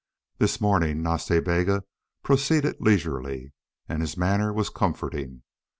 This morning Nas Ta Bega proceeded leisurely, and his manner was comforting.